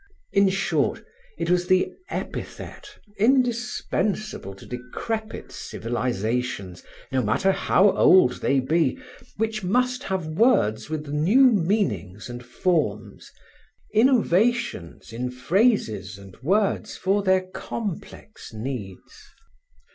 In short, it was the epithet indispensable to decrepit civilizations, no matter how old they be, which must have words with new meanings and forms, innovations in phrases and words for their complex needs.